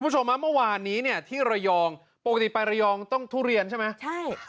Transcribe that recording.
ผู้ชมครับเมื่อวานนี้ที่ระยองปกติไประยองต้องทุเรียนใช่ไหม